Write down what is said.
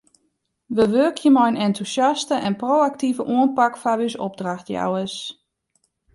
Wy wurkje mei in entûsjaste en pro-aktive oanpak foar ús opdrachtjouwers.